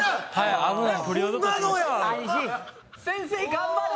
頑張れ！